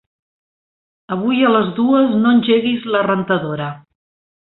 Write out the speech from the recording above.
Avui a les dues no engeguis la rentadora.